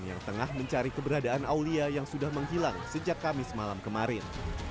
yang tengah mencari keberadaan aulia yang sudah menghilang sejak kamis malam kemarin